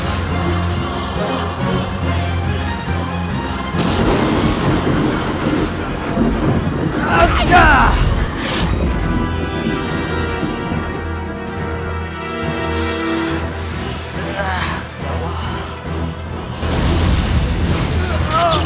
itu adalah jurusan tempohari diajarkan kepada aku